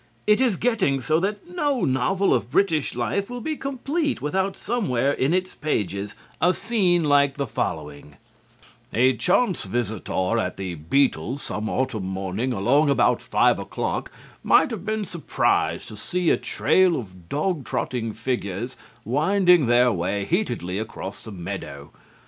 It is getting so that no novel of British life will be complete without somewhere in its pages a scene like the following: "A chance visitor at The Beetles some autumn morning along about five o'clock might have been surprised to see a trail of dog trotting figures winding their way heatedly across the meadow.